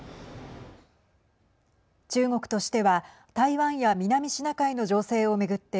中国としては台湾や南シナ海の情勢を巡って